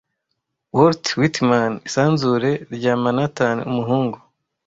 Walt Whitman, isanzure , rya Manhattan umuhungu,